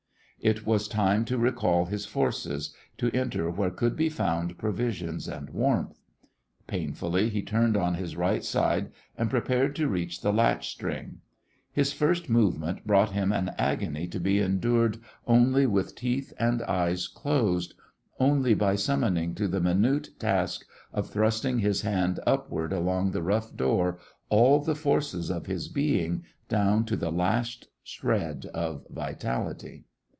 It was time to recall his forces, to enter where could be found provisions and warmth. Painfully he turned on his right side and prepared to reach the latch string. His first movement brought him an agony to be endured only with teeth and eyes closed, only by summoning to the minute task of thrusting his hand upward along the rough door all the forces of his being down to the last shred of vitality.